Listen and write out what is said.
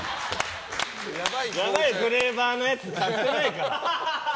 やばいフレーバーのやつ買ってないから！